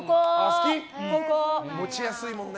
持ちやすいもんね。